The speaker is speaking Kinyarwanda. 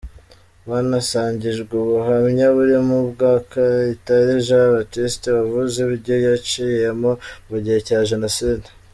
Banasangijwe ubuhamya burimo ubwa Kayitare Jean Baptiste wavuze ibyo yaciyemo mu gihe cya Jenoside.